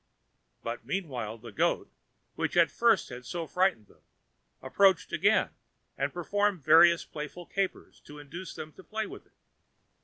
But meanwhile the goat, which at first had so frightened them, approached again, and performed various playful capers to induce them to play with it.